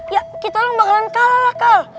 ya kita lang bakalan kalah kak